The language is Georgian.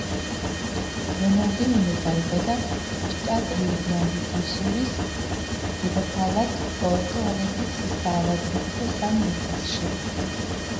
რონალდინიო დაიბადა შტატ რიუ-გრანდი-დუ-სულის დედაქალაქ პორტუ-ალეგრის საავადმყოფო „სან-ლუკასში“.